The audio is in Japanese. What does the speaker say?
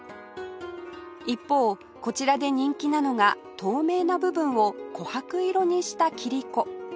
一方こちらで人気なのが透明な部分を琥珀色にした切子